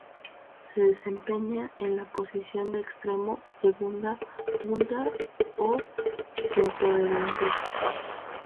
Se desempeña en la posición de extremo, segunda punta o centrodelantero.